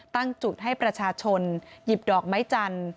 ตั้งจุดให้ประชาชนหยิบดอกไม้จันทร์